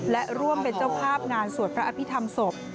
และร่วมเป็นเจ้าภาพงานสวดพระอภิษฐรรมศพ